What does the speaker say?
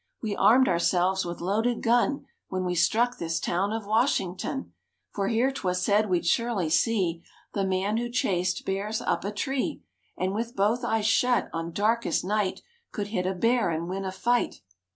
We armed ourselves with loaded gun When we struck this town of Washington, For here 'twas said we'd surely see The man who chased bears up a tree And with both eyes shut on darkest night Could hit a bear and win a fight."